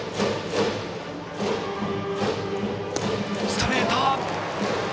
ストレート。